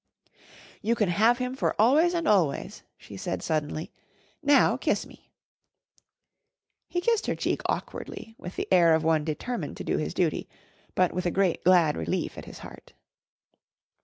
"You can have him for always and always," she said suddenly. "Now kiss me!" He kissed her cheek awkwardly with the air of one determined to do his duty, but with a great, glad relief at his heart.